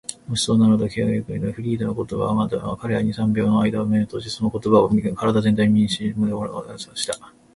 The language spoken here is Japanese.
「もしそうなら」と、Ｋ はゆっくりといった。フリーダの言葉が甘かったのだ。彼は二、三秒のあいだ眼を閉じ、その言葉を身体全体にしみとおらせようとした。